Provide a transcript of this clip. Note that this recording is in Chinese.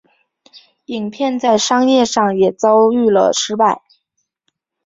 影片在商业上也遭遇了失败。